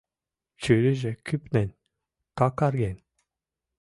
Чурийже кӱпнен, какарген.